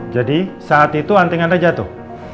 jadi saat itu anting anda jatuh